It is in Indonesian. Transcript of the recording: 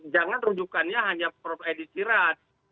jangan rujukannya hanya prof edi sirat